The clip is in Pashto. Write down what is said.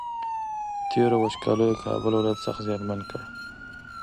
تېرو وچکالیو کابل ولایت سخت زیانمن کړ